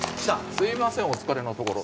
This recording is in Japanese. すいませんお疲れのところ。